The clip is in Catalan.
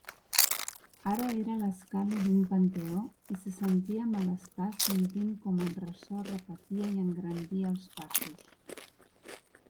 Ara era l'escala d'un panteó i se sentia malestar sentint com el ressò repetia i engrandia els passos.